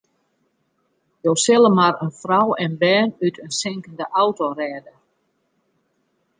Jo sille mar in frou en bern út in sinkende auto rêde.